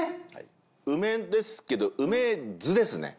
梅ですけど梅酢ですね。